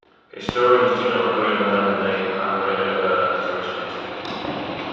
Historians do not agree on where the name "Havre-Aubert" is originating.